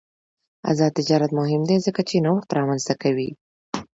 آزاد تجارت مهم دی ځکه چې نوښت رامنځته کوي.